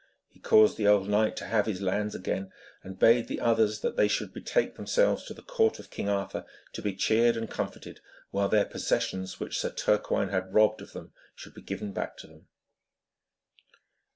He caused the old knight to have his lands again, and bade the others that they should betake themselves to the court of King Arthur to be cheered and comforted, while their possessions, which Sir Turquine had robbed of them, should be given back to them.